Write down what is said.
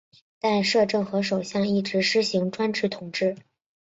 但摄政和首相一直施行专制统治。